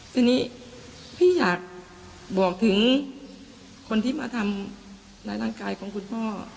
ทีนี้พี่อยากบอกถึงคนที่มาทำร้ายร่างกายของคุณพ่อ